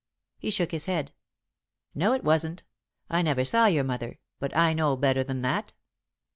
He shook his head. "No, it wasn't. I never saw your mother, but I know better than that."